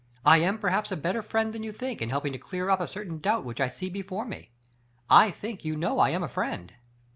I am perhaps a better friend than you think in helping to clear up a certain doubt which I see before me. I think you know I am a friend."